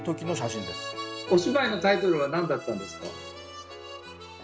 お芝居のタイトルは何だったんですか？